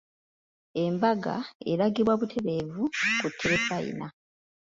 Embaga eragibwa butereevu ku Terefayina.